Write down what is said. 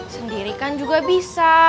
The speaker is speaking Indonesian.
sendirikan juga bisa